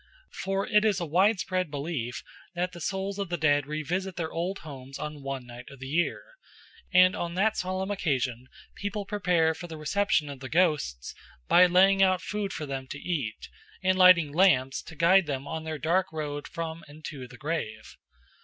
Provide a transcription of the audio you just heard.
For it is a widespread belief that the souls of the dead revisit their old homes on one night of the year; and on that solemn occasion people prepare for the reception of the ghosts by laying out food for them to eat, and lighting lamps to guide them on their dark road from and to the grave.